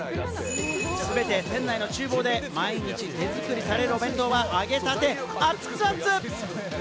全て店内の厨房で毎日手づくりされるお弁当は揚げたてアツアツ！